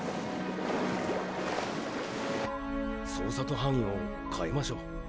捜索範囲を変えましょう。